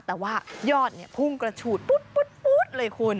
แต่ว่ายอดพุ่งกระฉูดปุ๊ดเลยคุณ